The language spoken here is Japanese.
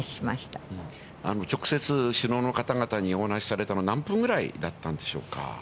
直接、首脳の方々にお話されたの何分ぐらいだったんでしょうか。